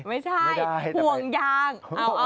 ไม่ใช่ห่วงยาง